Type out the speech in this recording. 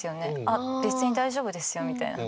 あっ別に大丈夫ですよみたいな。